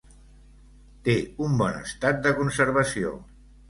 Té un bon estat de conservació.